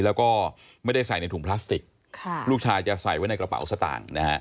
แล้วก็ไม่ได้ใส่ในถุงพลาสติกลูกชายจะใส่ไว้ในกระเป๋าสตางค์นะฮะ